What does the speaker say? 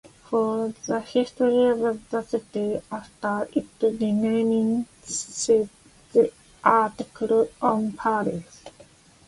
For the history of the city after its renaming, see the article on Paris.